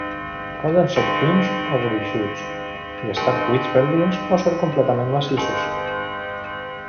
Poden ser prims o gruixuts, i estar buits per dins o ser completament massissos.